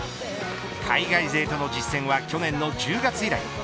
海外でとの実戦は去年の１０月以来。